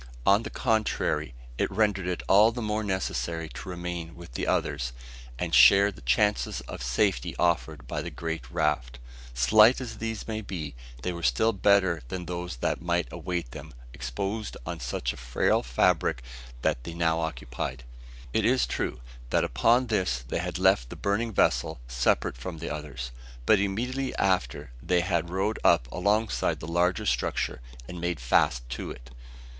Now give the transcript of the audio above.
On the contrary, it rendered it all the more necessary to remain with the others, and share the chances of safety offered by the great raft. Slight as these might be, they were still better than those that might await them, exposed on such a frail fabric as that they now occupied. It is true, that upon this they had left the burning vessel separate from the others; but immediately after they had rowed up alongside the larger structure, and made fast to it.